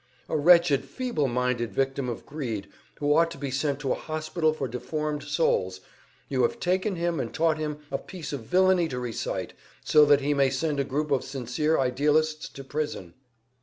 A wretched, feeble minded victim of greed, who ought to be sent to a hospital for deformed souls, you have taken him and taught him a piece of villainy to recite, so that he may send a group of sincere idealists to prison."